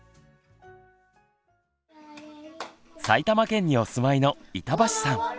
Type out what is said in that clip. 埼玉県にお住まいの板橋さん。